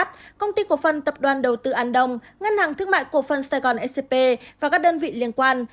công ty cổ phần tập đoàn đầu tư an đông ngân hàng thương mại cổ phân sài gòn scp và các đơn vị liên quan